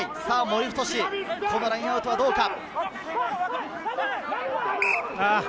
森太志、このラインアウトはどうか？